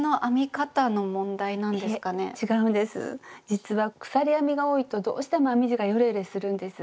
実は鎖編みが多いとどうしても編み地がヨレヨレするんです。